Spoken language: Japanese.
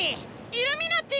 イルミナティ！